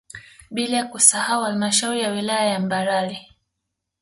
Bila kusahau halmashauri ya wilaya ya Mbarali